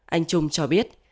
anh trung cho biết